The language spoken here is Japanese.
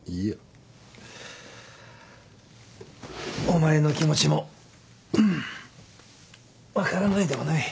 お前の気持ちも分からないでもない。